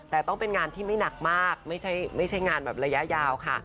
แต่ต้องเป็นงานที่ไม่หนักมากไม่ใช่งานแบบระยะยาวค่ะ